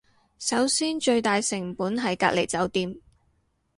首先最大成本係隔離酒店